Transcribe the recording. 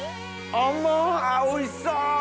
あおいしそう！